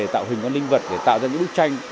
tạo hình các linh vật để tạo ra những bức tranh